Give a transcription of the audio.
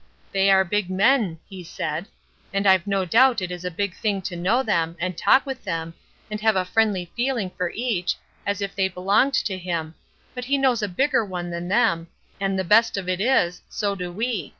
"They are big men," he said, "and I've no doubt it is a big thing to know them, and talk with them, and have a friendly feeling for each, as if they belonged to him, but he knows a bigger one than them, and the best of it is, so do we.